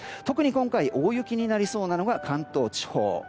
特に、今回大雪になりそうなのが関東地方。